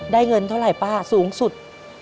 เงินเท่าไหร่ป้าสูงสุด